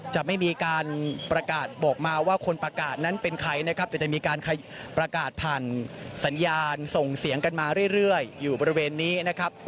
จะไม่มีการประกาศบอกมาว่าคนประกาศนั้นเป็นใครนะครับจะได้มีการประกาศผ่านสัญญาณส่งเสียงกันมาเรื่อยอยู่บริเวณนี้นะครับ